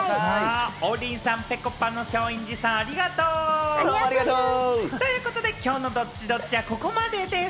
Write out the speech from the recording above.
王林さん、ぺこぱの松陰寺さん、ありがとう！ということで今日のＤｏｔｔｉ‐Ｄｏｔｔｉはここまででぃす。